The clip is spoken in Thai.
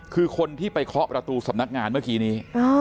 คือคนที่ไปเคาะประตูสำนักงานเมื่อกี้นี้